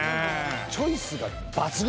チョイスが抜群！